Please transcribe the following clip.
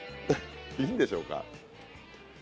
いいんでしょうか。